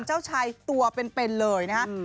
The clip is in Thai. เจ้าชายตัวเป็นเลยนะฮะ